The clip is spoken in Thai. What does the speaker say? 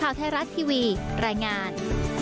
ข่าวไทยรัฐทีวีรายงาน